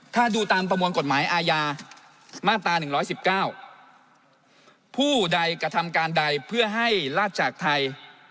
ถ้าดูตามประมวลกฎหมายอาญามาตราหนึ่งร้อยสิบเก้าผู้ใดกระทำการใดเพื่อให้ราชจักรไทย